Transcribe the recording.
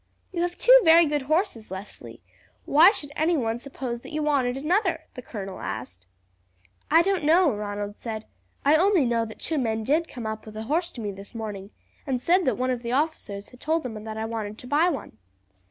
"You have two very good horses, Leslie; why should anyone suppose that you wanted another?" the colonel asked. "I don't know," Ronald said. "I only know that two men did come up with a horse to me this morning, and said that one of the officers had told them that I wanted to buy one."